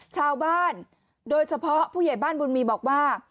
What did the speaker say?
ชาวบ้านโดยเฉพาะผู้ใหญ่บ้านบุญมีบอกว่า